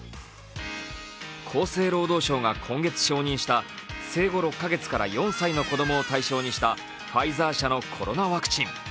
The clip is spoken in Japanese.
厚生労働省が今月承認した生後６か月から４歳の子供を対象にしたファイザー社のコロナワクチン。